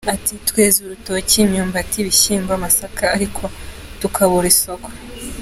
Ati “Tweza urutoki, imyumbati, ibishyimbo, amasaka, ariko tukabura isoko.